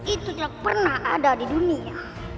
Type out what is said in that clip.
itu tidak pernah ada di dunia